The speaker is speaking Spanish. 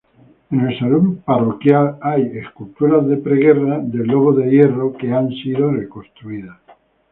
En el salón parroquial esculturas de preguerra del Lobo de Hierro han sido reconstruidas.